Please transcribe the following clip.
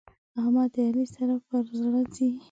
احمد د علي سره پر زړه ځي.